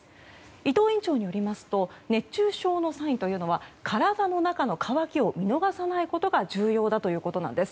伊藤院長によりますと熱中症のサインというのは体の中の渇きを見逃さないことが重要だということなんです。